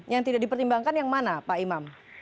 yang tidak dipertimbangkan yang mana pak imam